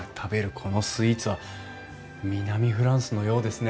このスイーツは南フランスのようですね！